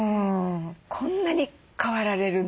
こんなに変わられるんですね。